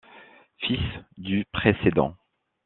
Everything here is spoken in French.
Fils du précédent.